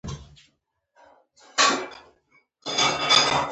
زراعت د ټولنې د تغذیې اړتیاوې پوره کوي.